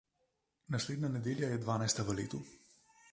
Naslednja nedelja je dvanajsta v letu.